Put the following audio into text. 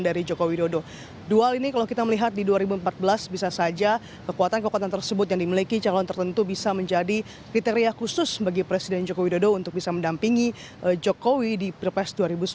dua hal ini kalau kita melihat di dua ribu empat belas bisa saja kekuatan kekuatan tersebut yang dimiliki calon tertentu bisa menjadi kriteria khusus bagi presiden joko widodo untuk bisa mendampingi jokowi di pilpres dua ribu sembilan belas